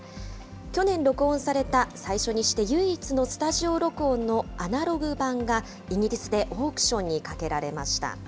去年録音された最初にして唯一のスタジオ録音のアナログ盤が、イギリスでオークションにかけられました。